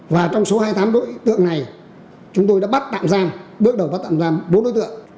và trong số hai mươi tám đối tượng này chúng tôi đã bắt tạm giam bước đầu bắt tạm giam bốn đối tượng